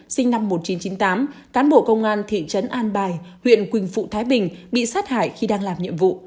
sinh năm một nghìn chín trăm chín mươi tám cán bộ công an thị trấn an bài huyện quỳnh phụ thái bình bị sát hại khi đang làm nhiệm vụ